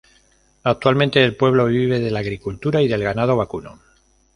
Actualmente, el pueblo vive de la agricultura y del ganado vacuno.